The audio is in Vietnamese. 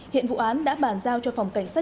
hiện vụ án đã bàn giao cho phòng cảnh sát